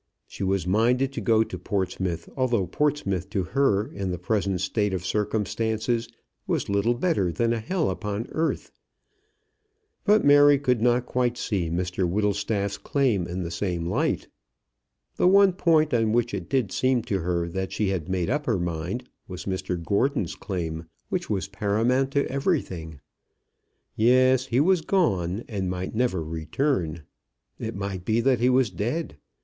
She was minded to go to Portsmouth, although Portsmouth to her in the present state of circumstances was little better than a hell upon earth. But Mary could not quite see Mr Whittlestaff's claim in the same light. The one point on which it did seem to her that she had made up her mind was Mr Gordon's claim, which was paramount to everything. Yes; he was gone, and might never return. It might be that he was dead.